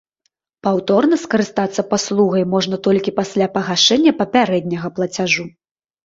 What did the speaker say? Паўторна скарыстацца паслугай можна толькі пасля пагашэння папярэдняга плацяжу.